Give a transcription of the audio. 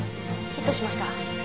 ヒットしました。